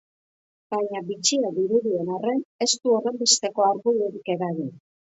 Baina, bitxia dirudien arren, ez du horrenbesteko arbuiorik eragin.